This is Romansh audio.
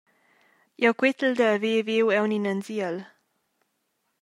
Jeu quetel da haver viu aunc in ansiel.